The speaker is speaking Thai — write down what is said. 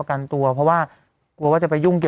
ราการตัวเพราะว่าจะไปยุ่ง